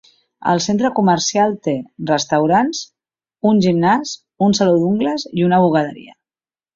El centre comercial té restaurants, un gimnàs, un saló d'ungles i una bugaderia.